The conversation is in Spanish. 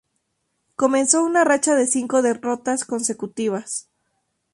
Comenzó una racha de cinco derrotas consecutivas.